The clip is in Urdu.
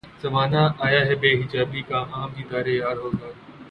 زمانہ آیا ہے بے حجابی کا عام دیدار یار ہوگا